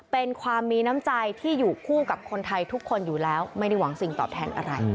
เป็นความมีน้ำใจที่อยู่คู่กับคนไทยทุกคนอยู่แล้วไม่ได้หวังสิ่งตอบแทนอะไร